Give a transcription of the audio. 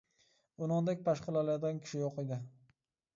ئۇنىڭدەك پاش قىلالايدىغان كىشى يوق ئىدى.